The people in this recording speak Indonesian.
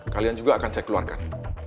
kalian juga akan saya keluarkan